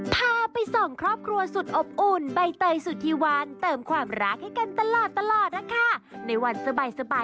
โปรดติดตามตอนต่อไป